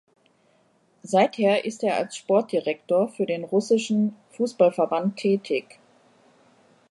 Seither ist er als Sportdirektor für den russischen Fußballverband tätig.